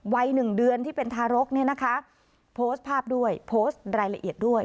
วัยหนึ่งเดือนที่เป็นทารกเนี่ยนะคะโพสต์ภาพด้วยโพสต์รายละเอียดด้วย